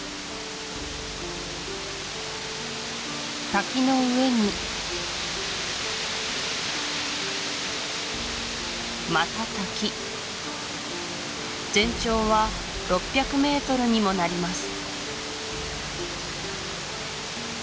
滝の上にまた滝全長は６００ｍにもなります